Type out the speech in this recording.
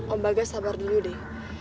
om bagas sabar dulu deh